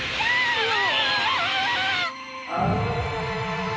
うわ！